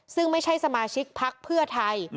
ซึ่งไม่ใช่สมาชิกพักเพื่อไทย